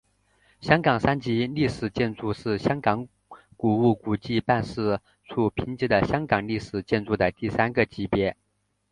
香港三级历史建筑是香港古物古迹办事处评级的香港历史建筑的第三个级别。